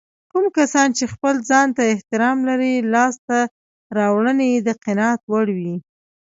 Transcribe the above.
کوم کسان چې خپل ځانته احترام لري لاسته راوړنې يې د قناعت وړ وي.